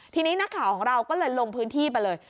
ทีนี้นักข่าวของเราก็เลยลงพื้นที่ไปเลย